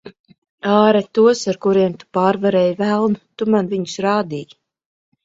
Āre tos, ar kuriem tu pārvarēji velnu. Tu man viņus rādīji.